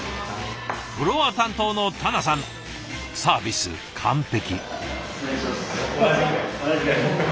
フロア担当の田名さんサービス完璧。